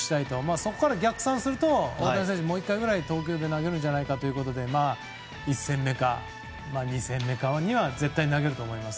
そこから逆算すると大谷選手、もう１回くらい東京で投げるんじゃないかということで１戦目か２戦目かには絶対投げると思います。